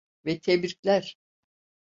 Ve tebrikler.